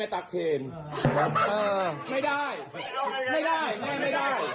หันหลังมองคู่